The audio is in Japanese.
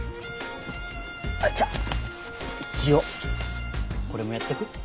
じゃあ一応これもやっとく？